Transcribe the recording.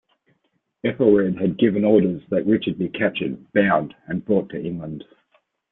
Ethelred had given orders that Richard be captured, bound and brought to England.